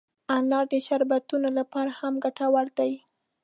انار د شربتونو لپاره هم ګټور دی.